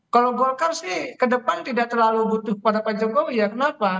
kalau golkar sih ke depan tidak terlalu butuh pada pak jokowi ya kenapa